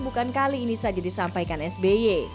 bukan kali ini saja disampaikan sby